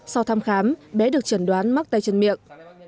sau thăm khám bé được trần đoán mắc tay chân miệng